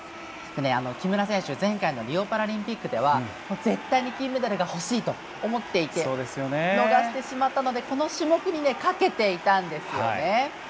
木村選手、前回のリオパラリンピックでは絶対に金メダルが欲しいと思っていて逃してしまったのでこの種目にかけていたんですよね。